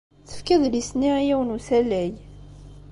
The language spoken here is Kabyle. Tefka adlis-nni i yiwen n usalay.